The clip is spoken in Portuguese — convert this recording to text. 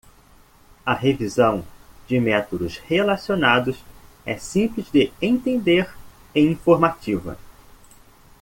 A revisão de métodos relacionados é simples de entender e informativa.